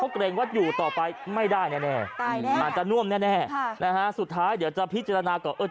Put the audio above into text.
เขาเกรงว่าอยู่ต่อไปไม่ได้แน่อาจจะน่วมแน่สุดท้ายเดี๋ยวจะพิจารณากับ